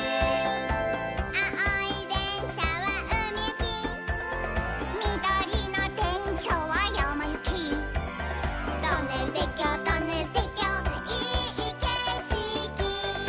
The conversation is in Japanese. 「あおいでんしゃはうみゆき」「みどりのでんしゃはやまゆき」「トンネルてっきょうトンネルてっきょういいけしき」